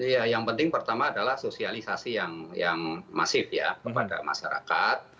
ya yang penting pertama adalah sosialisasi yang masif ya kepada masyarakat